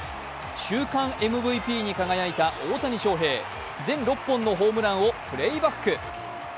週間ＭＶＰに輝いた大谷翔平、全６本のホームランをプレーバック！